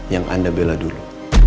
yang anda bela dulu